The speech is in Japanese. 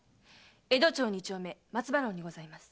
江戸町二丁目「松葉廊」にございます。